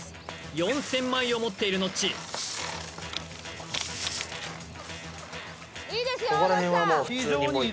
４０００枚を持っているノッチノッチさん